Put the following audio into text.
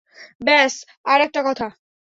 ব্যাস, আর একটা কথা।